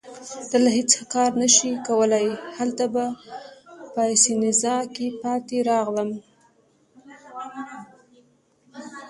دلته هیڅ کار نه شي کولای، هلته په پیاسینزا کي پاتې راغلم.